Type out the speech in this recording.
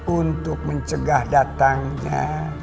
untuk mencegah datangnya